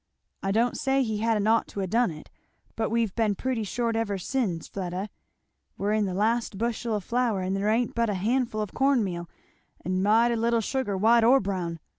I don't say he hadn't ought to ha' done it, but we've been pretty short ever sen, Fleda we're in the last bushel of flour, and there ain't but a handful of corn meal, and mighty little sugar, white or brown.